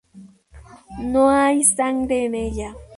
No hay sangre en ella.